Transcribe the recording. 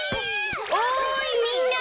おいみんな。